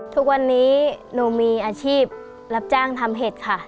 ทุกวันนี้หนูมีอาชีพรับจ้างทำเห็ดค่ะ